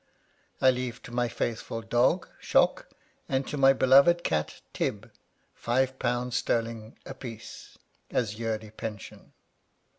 I leave to my faithful dog. Shock, and to my beloved cat, Tib, 5/. sterling a piece, as yearly pension.